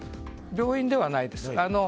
病院ではないです。